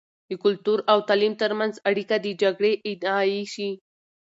د کلتور او تعليم تر منځ اړیکه د جګړې ادعایی شې.